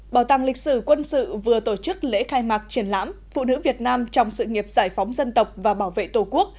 bảo tàng lịch sử quân sự vừa tổ chức lễ khai mạc triển lãm phụ nữ việt nam trong sự nghiệp giải phóng dân tộc và bảo vệ tổ quốc